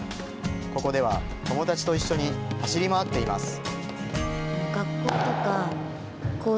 ここでは友達と一緒に走り回っています。